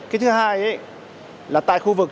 cái thứ hai là tại khu vực